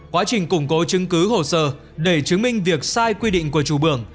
quá trình củng cố chứng cứ hồ sơ để chứng minh việc sai quy định của chủ bưởng